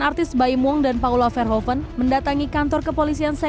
polisi akan mengumpulkan bukti bukti dan memintai keterangan saksi saksi